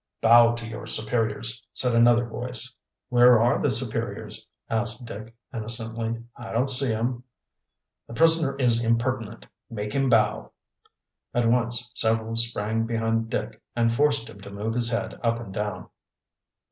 "Bow to your superiors," said another voice. "Where are the superiors?" asked Dick innocently. "I don't see 'em." "The prisoner is impertinent! Make him bow!" At once several sprang behind Dick and forced him to move his head up and down.